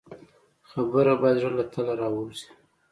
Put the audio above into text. خبره باید د زړه له تله راووځي.